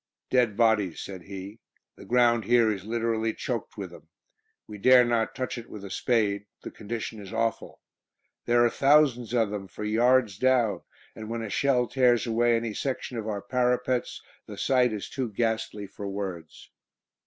"Dead bodies," said he; "the ground here is literally choked with them; we dare not touch it with a spade; the condition is awful. There are thousands of them for yards down, and when a shell tears away any section of our parapets the sight is too ghastly for words."